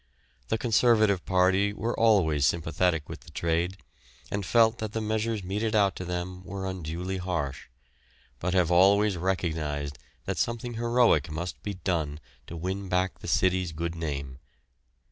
The Conservative party were always sympathetic with the "trade," and felt that the measures meted out to them were unduly harsh, but have always recognised that something heroic must be done to win back the city's good name.